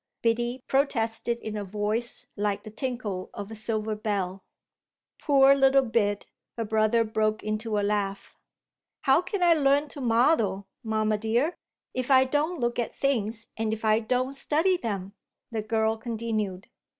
Biddy protested in a voice like the tinkle of a silver bell. "Poor little Bid!" her brother broke into a laugh. "How can I learn to model, mamma dear, if I don't look at things and if I don't study them?" the girl continued.